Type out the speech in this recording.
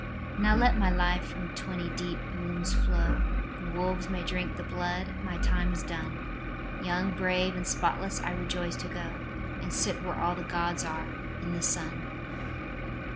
"Now let my life from twenty deep wounds flow, And wolves may drink the blood. My time is done. Young, brave and spotless, I rejoice to go And sit where all the Gods are, in the sun."